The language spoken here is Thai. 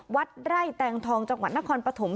วัดไร่แตงทองจังหวัดนครปฐม